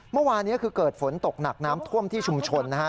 เมื่อวานนี้คือเกิดฝนตกหนักน้ำท่วมที่ชุมชนนะฮะ